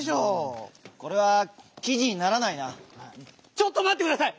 ちょっとまってください！